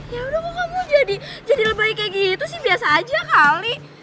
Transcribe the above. ya udah mau kamu jadi lebih baik kayak gitu sih biasa aja kali